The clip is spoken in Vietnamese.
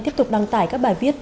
tiếp tục đăng tải các bài viết